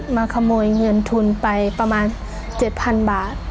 มาขโมยเงินทุนไปประมาณเจ็ดพันบาท